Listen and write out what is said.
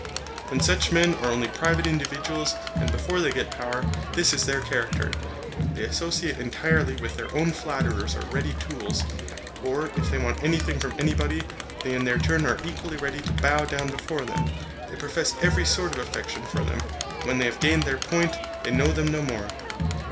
When such men are only private individuals and before they get power, this is their character; they associate entirely with their own flatterers or ready tools; or if they want anything from anybody, they in their turn are equally ready to bow down before them: they profess every sort of affection for them; but when they have gained their point they know them no more.